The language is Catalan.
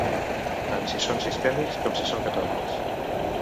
Tant si són sistèmics com si són catòdics.